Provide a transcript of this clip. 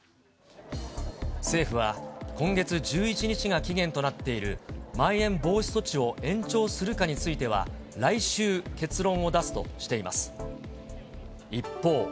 政府は、今月１１日が期限となっているまん延防止措置を延長するかについては、来週、結論を出すとしています。